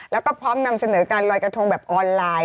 แล้วก็พร้อมนำเสนอการลอยกระทงแบบออนไลน์